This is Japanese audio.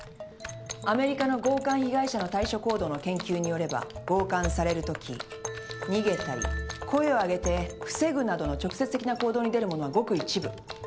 アメリカの強姦被害者の対処行動の研究によれば強姦されるとき逃げたり声を上げて防ぐなどの直接的な行動に出る者はごく一部。